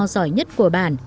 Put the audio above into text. giỏi nhất của bàn